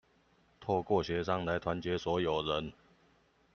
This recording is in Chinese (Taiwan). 透過協商來團結所有人